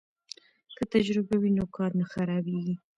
که تجربه وي نو کار نه خرابېږي.